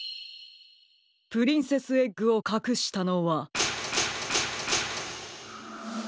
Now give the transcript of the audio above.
プリンセスエッグをかくしたのは。